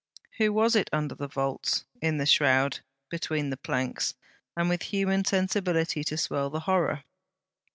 Who was it under the vaults, in the shroud, between the planks? and with human sensibility to swell the horror!